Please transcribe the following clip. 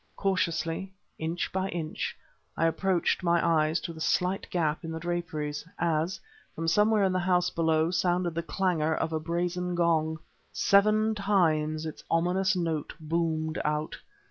Cautiously, inch by inch, I approached my eyes to the slight gap in the draperies, as, from somewhere in the house below, sounded the clangor of a brazen gong. Seven times its ominous note boomed out.